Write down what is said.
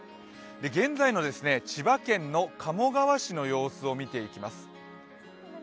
現在の千葉県の鴨川市の様子を見ていきます。